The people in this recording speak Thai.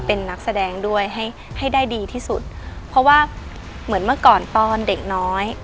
เป็นนักแสดงด้วยให้ให้ได้ดีที่สุดเพราะว่าเหมือนเมื่อก่อนตอนเด็กน้อย